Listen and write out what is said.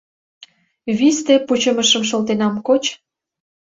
Висте пучымышым шолтенам, коч.